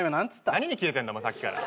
何にキレてんだお前さっきから。